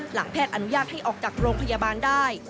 แพทย์อนุญาตให้ออกจากโรงพยาบาลได้